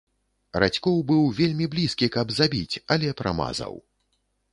Радзькоў быў вельмі блізкі, каб забіць, але прамазаў.